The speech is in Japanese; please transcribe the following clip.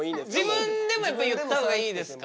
自分でもやっぱ言った方がいいですか？